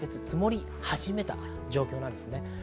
積もり始めた状況です。